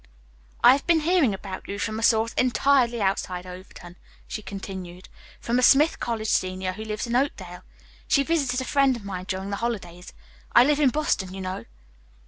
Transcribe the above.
"I have been hearing about you from a source entirely outside Overton," she continued, "from a Smith College senior who lives in Oakdale. She visited a friend of mine during the holidays. I live in Boston, you know."